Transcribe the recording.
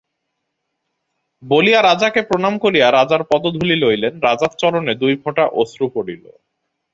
বলিয়া রাজাকে প্রণাম করিয়া রাজার পদধূলি লইলেন, রাজার চরণে দুই ফোঁটা অশ্রু পড়িল।